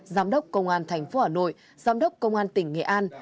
giám đốc công an thành phố hà nội giám đốc công an tỉnh nghệ an